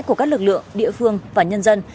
của các lực lượng địa phương và nhân dân